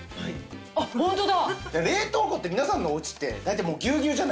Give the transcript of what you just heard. あっホントだ！